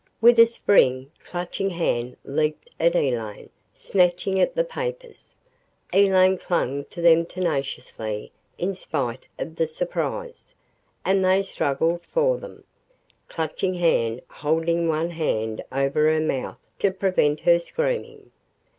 With a spring, Clutching Hand leaped at Elaine, snatching at the papers. Elaine clung to them tenaciously in spite of the surprise, and they struggled for them, Clutching Hand holding one hand over her mouth to prevent her screaming.